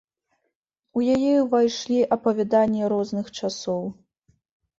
У яе ўвайшлі апавяданні розных часоў.